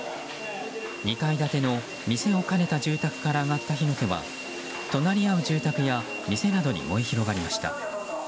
２階建ての店を兼ねた住宅から上がった火の手は隣り合う住宅や店などに燃え広がりました。